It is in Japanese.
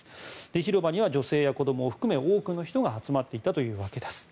広場には女性や子どもを含め多くの人が集まっていたというわけです。